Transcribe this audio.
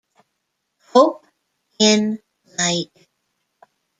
Hope in light.